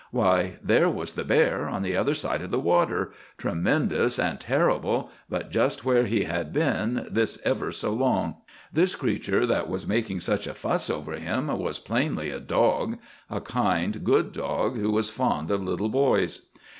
Why, there was the bear, on the other side of the water, tremendous and terrible, but just where he had been this ever so long. This creature that was making such a fuss over him was plainly a dog—a kind, good dog, who was fond of little boys.